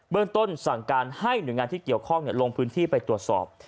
เรื่องต้นสั่งการให้หน่วยงานที่เกี่ยวข้องลงพื้นที่ไปตรวจสอบ